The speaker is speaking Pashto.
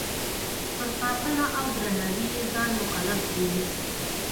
پر ساتنه او درناوي یې ځان مکلف بولي.